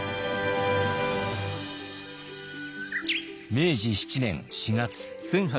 明治７年４月。